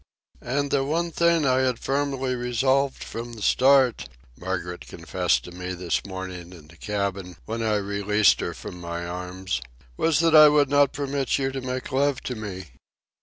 "And the one thing I had firmly resolved from the start," Margaret confessed to me this morning in the cabin, when I released her from my arms, "was that I would not permit you to make love to me."